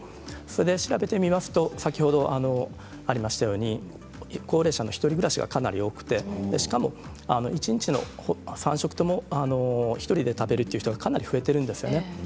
それで調べてみますと先ほどありましたように高齢者の１人暮らしがかなり多くて、しかも一日の３食とも１人で食べるという人がかなり増えているんですね。